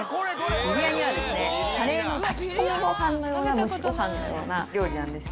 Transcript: ビリヤニは炊き込みご飯のような蒸しご飯のような料理なんです。